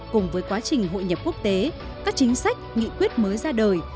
cùng với quá trình hội nhập quốc tế các chính sách nghị quyết mới ra đời